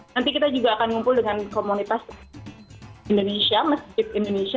nanti kita juga akan ngumpul dengan komunitas indonesia masjid indonesia